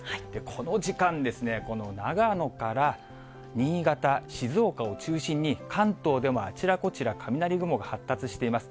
この時間ですね、この長野から新潟、静岡を中心に、関東でもあちらこちら、雷雲が発達しています。